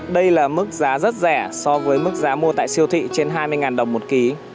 đây là mức giá rất rẻ so với mức giá mua tại siêu thị trên hai mươi đồng một ký